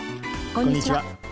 こんにちは。